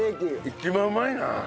一番うまいな。